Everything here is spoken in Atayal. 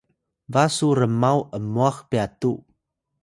ba su rmaw ’mwax pyatu